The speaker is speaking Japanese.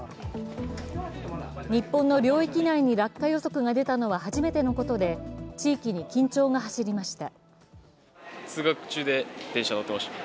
日本の領域内に落下予測が出たのは初めてのことで地域に緊張が走りました。